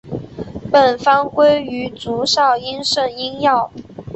本方归于足少阴肾经药。